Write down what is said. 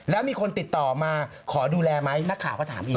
แล้วมีคนติดต่อมาขอดูแลไหมนักข่าวก็ถามอีก